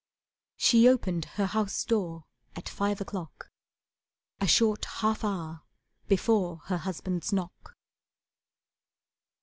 She opened her house door at five o'clock, A short half hour before her husband's knock.